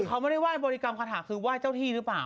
เขาไม่ได้ไหว้บริกรรมคาถาคือไหว้เจ้าที่หรือเปล่า